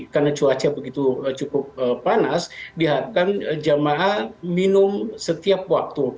karena cuaca begitu cukup panas diharapkan jemaah minum setiap waktu